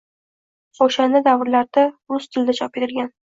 O‘shanda davrlarda rus tilida chop etilgan.